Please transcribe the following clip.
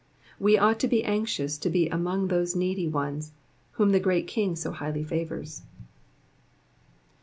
Wo ought to be anxious to be among these needy ones whom the Great King so highly favours.